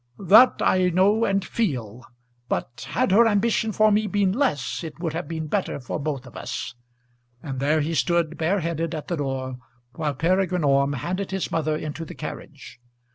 "That I know and feel, but had her ambition for me been less it would have been better for both of us." And there he stood bare headed at the door while Peregrine Orme handed his mother into the carriage.